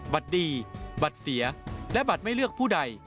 บัตรดีบัตรเสียและบัตรไม่เลือกผู้ใด